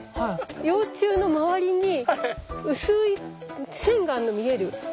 幼虫の周りに薄い線があるの見える？